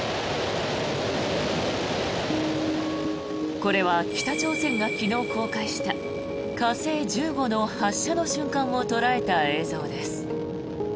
これは、北朝鮮が昨日、公開した火星１５の発射の瞬間を捉えた映像です。